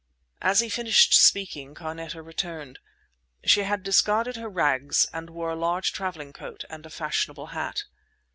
As he finished speaking Carneta returned. She had discarded her rags and wore a large travelling coat and a fashionable hat.